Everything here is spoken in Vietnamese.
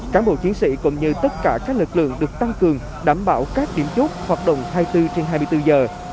cán bộ chiến sĩ cũng như tất cả các lực lượng được tăng cường đảm bảo các điểm chốt hoạt động hai mươi bốn trên hai mươi bốn giờ